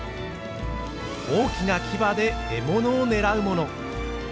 大きな牙で獲物を狙うもの。